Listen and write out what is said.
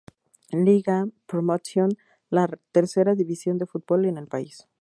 Liga Promotion, la tercera división de fútbol en el país.